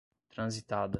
Transitada